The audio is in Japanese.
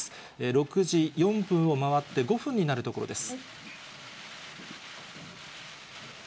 ６時４分を回って、５分になるところです。